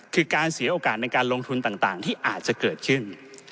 คือการเสียโอกาสในการลงทุนต่างที่อาจจะเกิดขึ้น